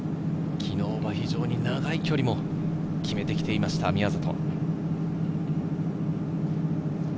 昨日は非常に長い距離も決めてきていました、宮里。